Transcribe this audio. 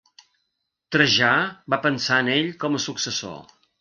Trajà va pensar en ell com a successor.